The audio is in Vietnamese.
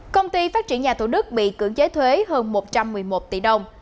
công ty phát triển nhà thủ đức bị cưỡng chế thuế hơn một trăm một mươi một tỷ đồng